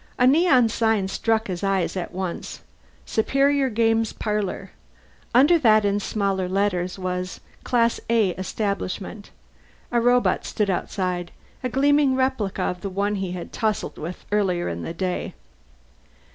A neon sign struck his eyes at once: SUPERIOR GAMES PARLOR. Under that in smaller letters was: CLASS A ESTABLISHMENT. A robot stood outside, a gleaming replica of the one he had tussled with earlier in the day.